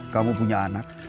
kamu punya anak